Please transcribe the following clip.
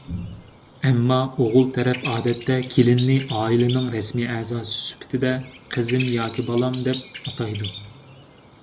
ئەمما ئوغۇل تەرەپ ئادەتتە كېلىننى ئائىلىنىڭ رەسمىي ئەزاسى سۈپىتىدە «قىزىم ياكى بالام» دەپ ئاتايدۇ.